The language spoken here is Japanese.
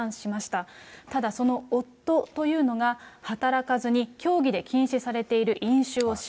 ただその夫というのが、働かずに教義で禁止されている飲酒をし。